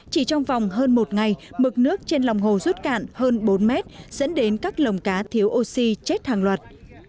chỉ trong vòng hơn một ngày mực nước trên lòng hồ rút cạn hơn bốn mét dẫn đến các lồng cá thiếu oxy chết hàng loạt